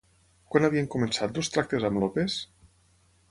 Quan havien començat els tractes amb López?